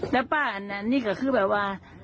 แล้วป้านี่ก็คือแบบว่า